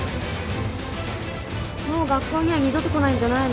もう学校には二度と来ないんじゃないの？